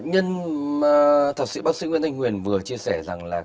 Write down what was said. nhân thật sự bác sĩ nguyễn thanh huyền vừa chia sẻ rằng là